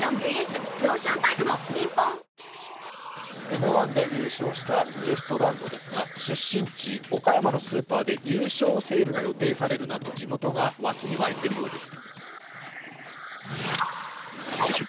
「Ｍ−１」で優勝したウエストランドですが、出身地・岡山のスーパーで優勝セールが予定されるなど地元が沸きに沸いているようです。